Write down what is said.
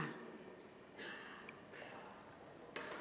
หลักที่๒